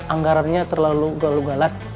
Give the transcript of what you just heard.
anggarannya terlalu galuk galak